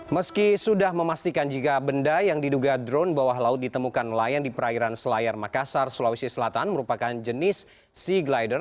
meski sudah memastikan jika benda yang diduga drone bawah laut ditemukan nelayan di perairan selayar makassar sulawesi selatan merupakan jenis sea glider